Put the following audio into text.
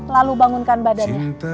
lalu bangunkan badannya